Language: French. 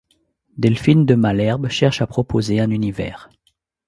Delphine de Malherbe cherche à proposer un univers.